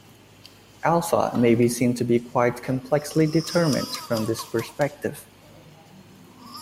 Alpha may be seen to be quite complexly determined from this perspective.